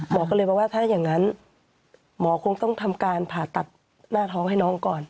หมอก็เลยบอกว่าถ้าอย่างนั้นหมอคงต้องทำการผ่าตัดหน้าท้องให้น้องก่อน